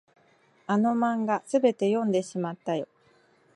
あの漫画、すべて読んでしまったよ。